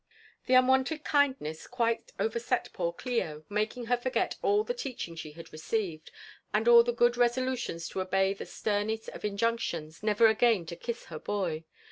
The unwonted kindness quite overset poor Clio, making her forget ail the teaciung she had received, and all her good resolutions to obey that sternest of injunctions, never again to kiss her boy.